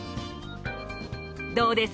どうです？